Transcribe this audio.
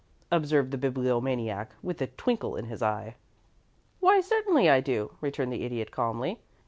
observed the Bibliomaniac, with a twinkle in his eye. "Why certainly I do," returned the Idiot, calmly.